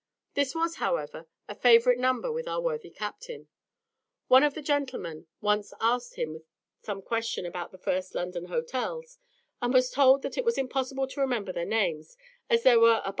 This was, however, a favourite number with our worthy captain. One of the gentlemen once asked him some question about the first London hotels, and was told that it was impossible to remember their names, as there were above a thousand of the first class.